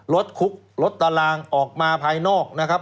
รถคุกลดตารางออกมาภายนอกนะครับ